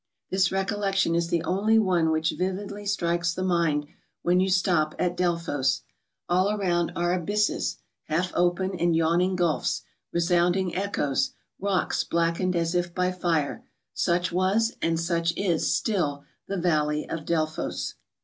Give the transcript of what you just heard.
This recollection is the only one which vividly strikes the mind when you stop at Delphos. All around are abysses, half open and yawning gailfs, resounding echoes, rocks blackened as if by fire : such was, and such is still, the valley of Delphos.